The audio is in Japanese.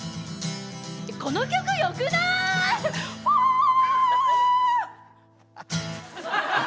この曲よくない？